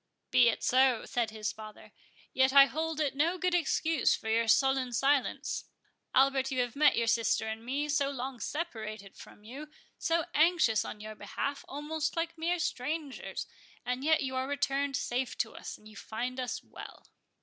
"Be it so," said his father; "yet I hold it no good excuse for your sullen silence. Albert, you have met your sister and me, so long separated from you, so anxious on your behalf, almost like mere strangers, and yet you are returned safe to us, and you find us well."